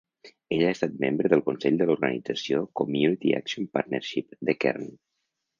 Ell ha estat membre del consell de l'organització Community Action Partnership de Kern.